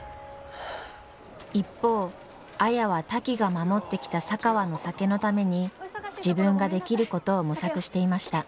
一方綾はタキが守ってきた佐川の酒のために自分ができることを模索していました。